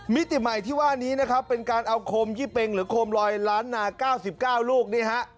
มิติใหม่ที่ว่านี้นะครับเป็นการเอาโคมยี่เป็งหรือโคมลอยล้านนา๙๙ลูกนี่ฮะ